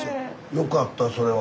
よかったそれは。